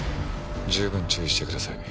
十分注意してください。